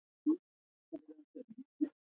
ازادي راډیو د اقلیم په اړه د راتلونکي هیلې څرګندې کړې.